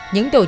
những tổ chức